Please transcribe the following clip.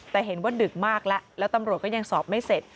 แต่เห็นว่าดึกมากแล้วแล้วตำรวจก็ยังสอบไม่เสร็จ